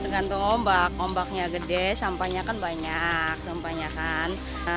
tergantung ombak ombaknya gede sampahnya kan banyak sampahnya kan